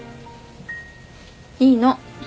いいの。